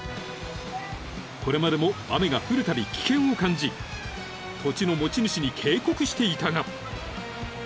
［これまでも雨が降るたび危険を感じ土地の持ち主に警告していたが］